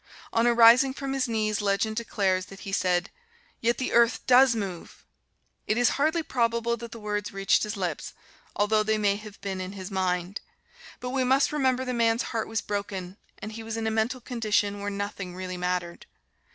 On arising from his knees, legend declares that he said, "Yet the earth does move!" It is hardly probable that the words reached his lips, although they may have been in his mind. But we must remember the man's heart was broken, and he was in a mental condition where nothing really mattered.